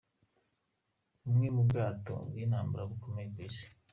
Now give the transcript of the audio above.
Bumwe mu bwato bw’intambara bukomeye ku Isi.